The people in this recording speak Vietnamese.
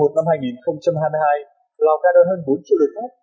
lò ca đơn hơn bốn triệu đợt khách